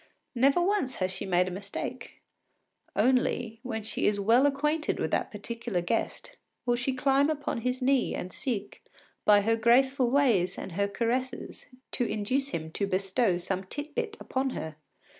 Never once has she made a mistake. Only, when she is well acquainted with the particular guest, she will climb upon his knee and seek, by her graceful ways and her caresses, to induce him to bestow some tit bit upon her.